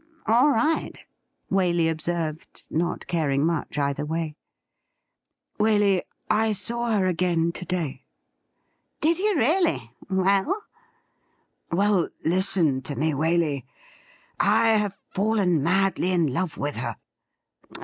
' All right,' Waley observed, not caring much either way. 'THY KINDNESS FREEZES' * Waley, I saw her again to day !' 'Did you really? Well?' ' Well, listen to me, Waley. I have fallen madly in love with her